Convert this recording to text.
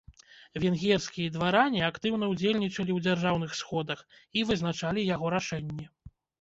Венгерскія дваране актыўна ўдзельнічалі ў дзяржаўных сходах і вызначалі яго рашэнні.